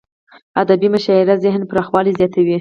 ادبي مشاعريد ذهن پراخوالی زیاتوي.